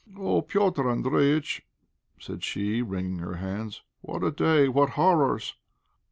"Oh, Petr' Andréjïtch," said she, wringing her hands; "what a day, what horrors!"